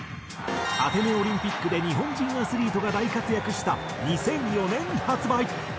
アテネオリンピックで日本人アスリートが大活躍した２００４年発売。